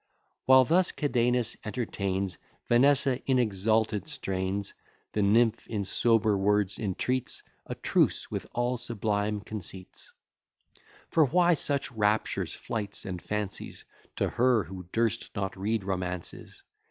While thus Cadenus entertains Vanessa in exalted strains, The nymph in sober words entreats A truce with all sublime conceits; For why such raptures, flights, and fancies, To her who durst not read romances?